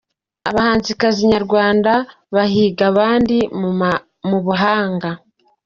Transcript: Abahanzikazi nyarwanda bahiga abandi mu buranga.